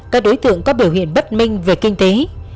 các đối tượng có biểu hiện bất minh về kinh tế